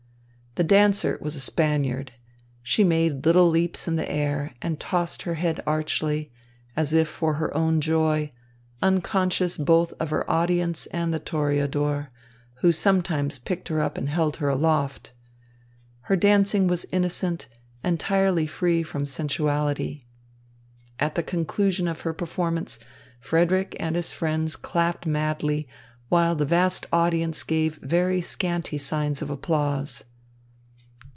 The dancer was a Spaniard. She made little leaps in the air and tossed her head archly, as if for her own joy, unconscious both of the audience and the toreador, who sometimes picked her up and held her aloft. Her dancing was innocent, entirely free from sensuality. At the conclusion of her performance, Frederick and his friends clapped madly, while the vast audience gave very scanty signs of applause.